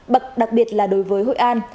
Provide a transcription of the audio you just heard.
bậc đặc biệt là đối với hội an